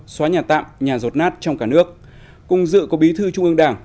xóa nhà tạm nhà rột nát trong cả nước cùng dự có bí thư trung ương đảng